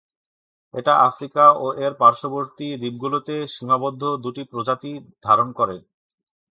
এটি আফ্রিকা ও এর পার্শ্ববর্তী দ্বীপগুলিতে সীমাবদ্ধ দুটি প্রজাতি ধারণ করে।